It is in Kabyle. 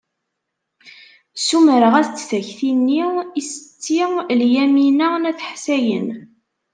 Ssumreɣ-as-d takti-nni i Setti Lyamina n At Ḥsayen.